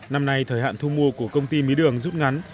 năm nay thời hạn thu mua của công ty mía đường rút ngắn